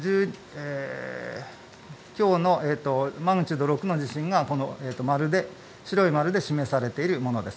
きょうのマグニチュード６の地震が白い丸で示されているものです。